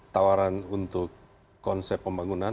tawaran untuk konsep pembangunan